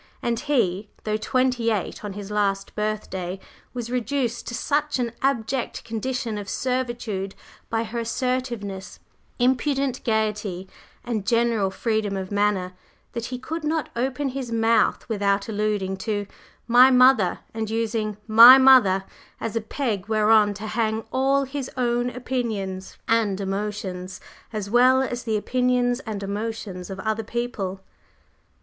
and he, though twenty eight on his last birthday, was reduced to such an abject condition of servitude by her assertiveness, impudent gayety and general freedom of manner, that he could not open his mouth without alluding to "my mother," and using "my mother" as a peg whereon to hang all his own opinions and emotions as well as the opinions and emotions of other people.